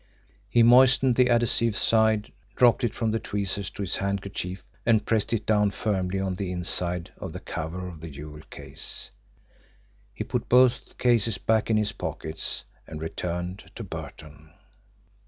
He moistened the adhesive side, dropped it from the tweezers to his handkerchief, and pressed it down firmly on the inside of the cover of the jewel case. He put both cases back in his pockets, and returned to Burton.